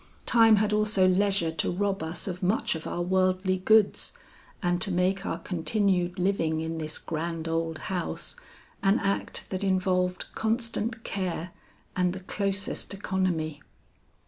Time had also leisure to rob us of much of our worldly goods and to make our continued living in this grand old house, an act that involved constant care and the closest economy.